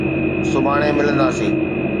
سڀاڻي ملنداسين.